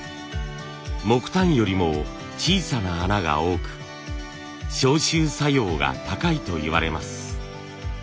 木炭よりも小さな穴が多く消臭作用が高いといわれます。